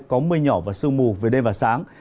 có mưa nhỏ và sương mù về đêm và sáng